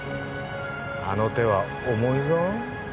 あの手は重いぞ。